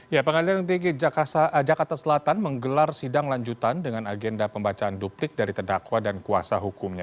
ya pengadilan tinggi jakarta selatan menggelar sidang lanjutan dengan agenda pembacaan duplik dari terdakwa dan kuasa hukumnya